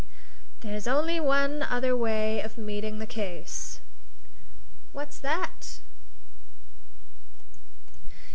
There's only one other way of meeting the case." "What's that?"